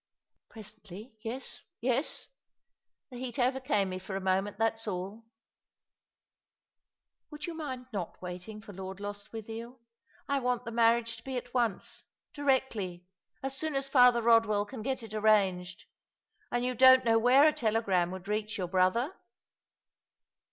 " Presently — yes, yes. The heat overcame me for a moment, that's all. Would you mind not waiting for Lord Lost withiel? I want the marriage to be at once — directly — as soon as Father Rodwell can get it arranged. And you don't know where a telegram would reach your brother?